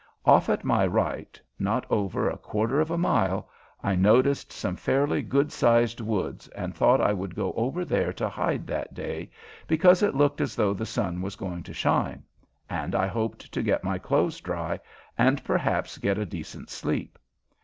Off at my right not over a quarter of a mile I noticed some fairly good sized woods, and thought I would go over there to hide that day, because it looked as though the sun was going to shine, and I hoped to get my clothes dry and perhaps get a decent sleep.